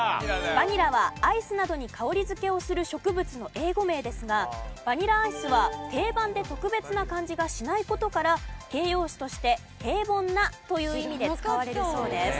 バニラはアイスなどに香り付けをする植物の英語名ですがバニラアイスは定番で特別な感じがしない事から形容詞として「平凡な」という意味で使われるそうです。